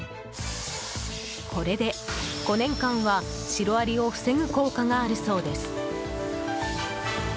これで５年間は白アリを防ぐ効果があるそうです。